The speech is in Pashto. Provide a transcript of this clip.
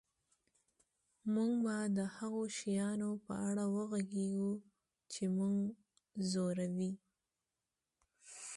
موږ به د هغو شیانو په اړه وغږیږو چې موږ ځوروي